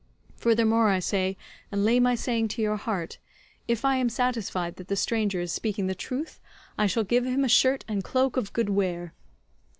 Furthermore I say, and lay my saying to your heart: if I am satisfied that the stranger is speaking the truth I shall give him a shirt and cloak of good wear."